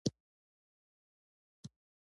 سیمه ایز بلاکونه د دوی لپاره یوه مهمه موضوع ده